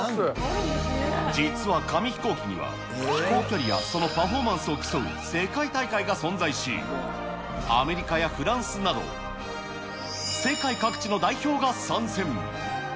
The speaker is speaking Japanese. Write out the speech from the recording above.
実は紙飛行機には、飛行距離やそのパフォーマンスを競う世界大会が存在し、アメリカやフランスなど、世界各地の代表が参戦。